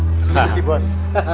ini sih bos